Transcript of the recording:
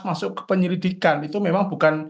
masuk ke penyelidikan itu memang bukan